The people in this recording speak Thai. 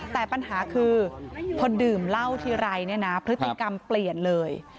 แต่ปัญหาคือพอดื่มเหล้าทีไรเนี่ยนะพฤติกรรมเปลี่ยนเลย